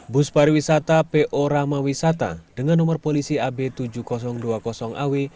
bus pariwisata po ramawisata dengan nomor polisi ab tujuh ribu dua puluh aw